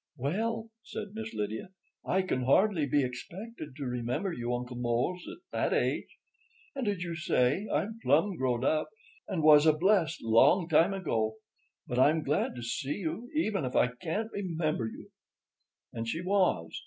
"Well," said Miss Lydia, "I can hardly be expected to remember you, Uncle Mose, at that age. And, as you say, I'm 'plum growed up,' and was a blessed long time ago. But I'm glad to see you, even if I can't remember you." And she was.